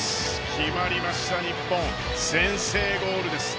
決まりました、日本先制ゴールです！